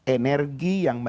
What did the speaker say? energi yang mendalamkan